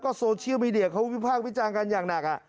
คือเวลาพูดคุยกันหลังนั้น